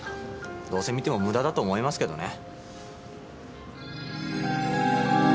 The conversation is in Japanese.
どうせ見ても無駄だと思いますけどね。